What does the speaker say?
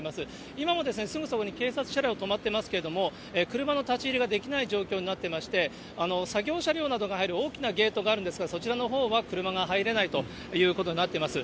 今もすぐそばに警察車両止まってますけれども、車の立ち入りができない状態になってまして、作業車両などが入る大きなゲートがあるんですが、そちらのほうは車が入れないということになっています。